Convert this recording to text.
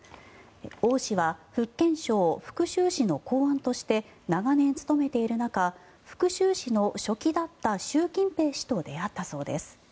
オウ氏は福建省福州市の公安として長年務めている中福州市の書記だった習近平氏と出会ったそうです。